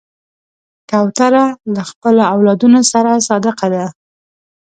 کوتره له خپلو اولادونو سره صادقه ده.